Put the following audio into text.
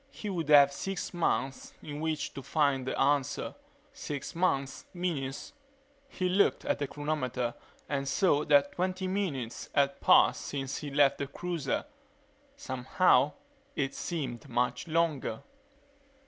He would have six months in which to find the answer. Six months minus He looked at the chronometer and saw that twenty minutes had passed since he left the cruiser. Somehow, it seemed much longer